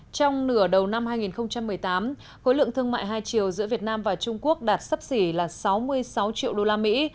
trong nửa đầu năm hai nghìn một mươi tám khối lượng thương mại hai triệu giữa việt nam và trung quốc đạt sấp xỉ là sáu mươi sáu triệu đô la mỹ